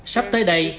sắp tới đây